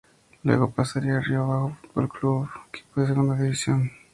Luego pasaría a Río Abajo Fútbol Club, equipo de Segunda División Panamá.